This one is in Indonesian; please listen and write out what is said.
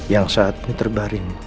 yang saat menerbaring